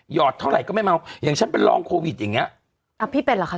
อดเท่าไหร่ก็ไม่เมาอย่างฉันเป็นรองโควิดอย่างเงี้ยอ้าวพี่เป็นเหรอคะ